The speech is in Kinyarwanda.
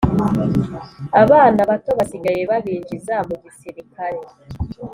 abana bato basigaye babinjiza mugisirikare